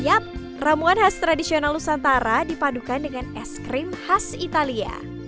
yap ramuan khas tradisional nusantara dipadukan dengan es krim khas italia